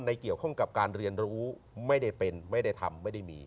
เกี่ยวข้องกับการเรียนรู้ไม่ได้เป็นไม่ได้ทำไม่ได้มี